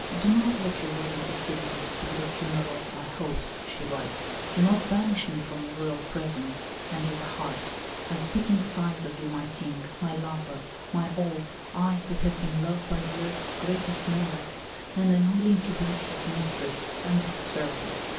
"Do not let your wedding festivities be the funeral of my hopes," she writes. "Do not banish me from your Royal presence and your heart. I speak in sighs to you, my King, my lover, my all I, who have been loved by the earth's greatest monarch, and am willing to be his mistress and his servant."